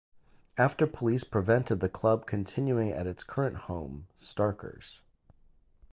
After police prevented the club continuing at its current home Starkers!